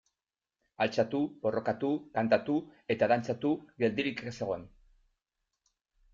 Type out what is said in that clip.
Altxatu, borrokatu, kantatu eta dantzatu, geldirik ez egon.